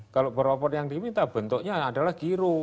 kalau berapa pun yang diminta bentuknya adalah giro